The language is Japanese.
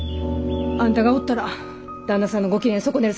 あんたがおったら旦那さんのご機嫌損ねる